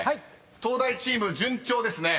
東大チーム順調ですね］